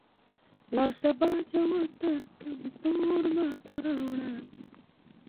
لاړ شه باجوړ ته کمیس تور ما ته راوړئ.